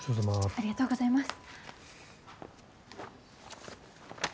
ありがとうございます。